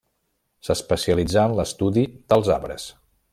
S'especialitzà en l'estudi dels arbres.